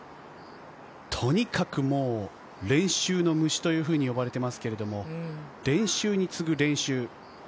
とにかくもう練習の虫といわれていますけれども、練習に次ぐ練習。